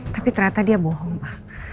tapi ternyata dia bohong pak